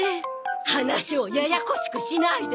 話をややこしくしないで！